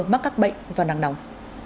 bác bệnh do nắng nóng